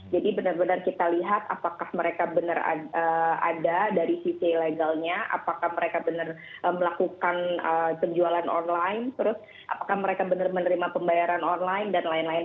jadi benar benar kita lihat apakah mereka benar ada dari sisi legalnya apakah mereka benar melakukan penjualan online terus apakah mereka benar menerima pembayaran online dan lain lain